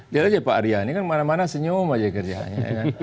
lihat aja pak aryani kan mana mana senyum aja kerjanya